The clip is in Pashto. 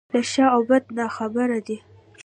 له ښه او بده ناخبره دی.